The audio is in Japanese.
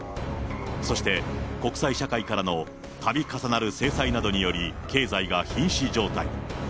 そして国際社会からのたび重なる制裁などにより、経済がひん死状態に。